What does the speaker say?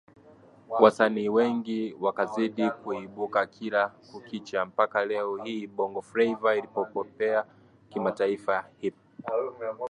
wasanii wengi wakazidi kuibuka kila kukicha mpaka leo hii Bongo Fleva inapopepea kimataifa Hip